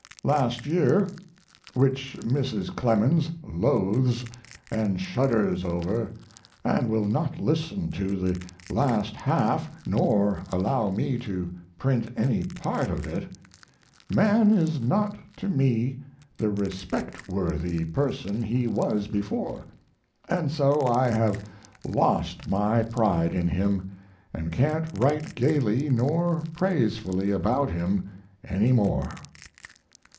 ] (last year), which Mrs. Clemens loathes & shudders over & will not listen to the last half nor allow me to print any part of it, man is not to me the respect worthy person he was before, & so I have lost my pride in him & can't write gaily nor praisefully about him any more....